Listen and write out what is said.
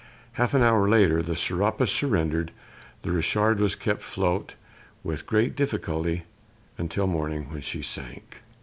Half an hour later the Serapis surrendered. The Richard was kept afloat with great difficulty until morning, when she sank.